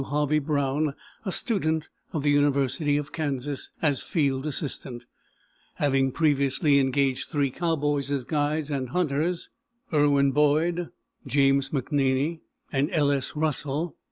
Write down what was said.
Harvey Brown, a student of the University of Kansas, as field assistant, having previously engaged three cowboys as guides and hunters Irwin Boyd, James McNaney, and L. S. Russell.